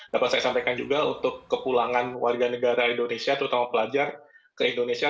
dapat saya sampaikan juga untuk kepulangan warga negara indonesia terutama pelajar ke indonesia